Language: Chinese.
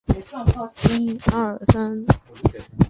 玩家可选择七种操纵方式。